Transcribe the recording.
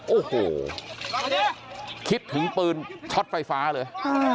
โอ้โหคิดถึงปืนช็อตไฟฟ้าเลย